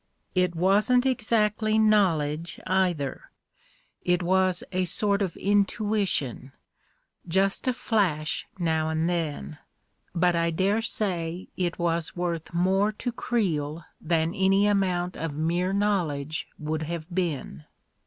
It wasn't exactly knowledge, either — it was 84 A KING IN BABYLON a sort of intuition — just a flash now and then ; but I dare say it was worth more to Creel than any amount of mere knowledge would have been.